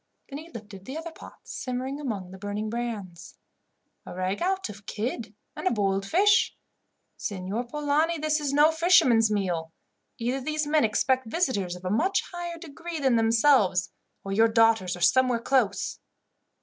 Then he lifted the other pots simmering among the burning brands. "A ragout of kid and a boiled fish. Signor Polani, this is no fisherman's meal. Either these men expect visitors of a much higher degree than themselves, or your daughters are somewhere close.